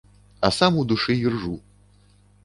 А сам у душы іржу.